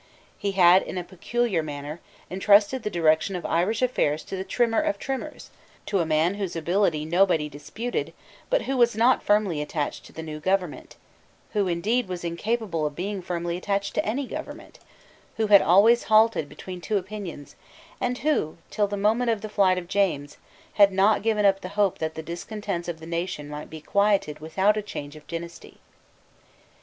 He had, in a peculiar manner, entrusted the direction of Irish affairs to the Trimmer of Trimmers, to a man whose ability nobody disputed, but who was not firmly attached to the new government, who, indeed, was incapable of being firmly attached to any government, who had always halted between two opinions, and who, till the moment of the flight of James, had not given up the hope that the discontents of the nation might be quieted without a change of dynasty.